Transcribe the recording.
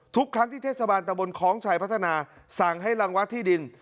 ทุกครั้งที่เทศบาลตะบนคล้องชัยพัฒนาสั่งให้รังวัดที่ดิน